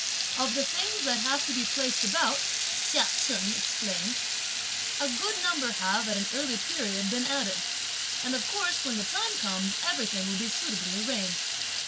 "Of the things that have to be placed about," Chia Chen explained, a good number have, at an early period, been added, and of course when the time comes everything will be suitably arranged.